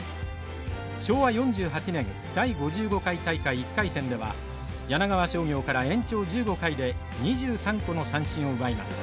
昭和４８年第５５回大会１回戦では柳川商業から延長１５回で２３個の三振を奪います。